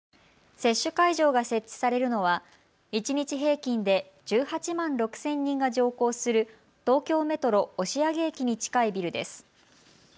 接種会場が設置されるのは一日平均で１８万６０００人が乗降する東京メトロ押上駅に近いビルです。